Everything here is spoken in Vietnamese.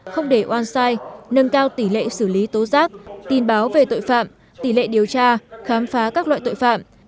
không để oan sai nâng cao tỷ lệ xử lý tố giác tin báo về tội phạm tỷ lệ điều tra khám phá các loại tội phạm